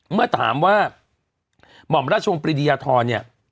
เมื่อถามว่าหม่อมราชวงศริยธรเนี่ย